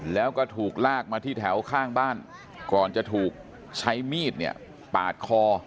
แล้วก็ถูกลากมาที่แถวข้างบ้านก่อนจะถูกใช้มีดเนี่ยปาดคอ